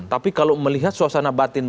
tapi kalau melihat suasana batin